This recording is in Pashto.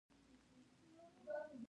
دی به تر خپل مشر ورور هم وړاندې وي.